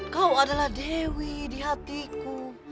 kau adalah dewi di hatiku